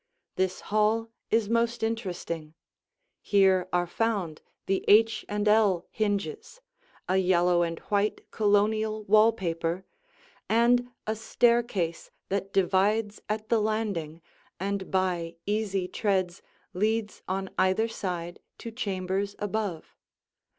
This hall is most interesting; here are found the H and L hinges, a yellow and white Colonial wall paper, and a staircase that divides at the landing and by easy treads leads on either side to chambers above.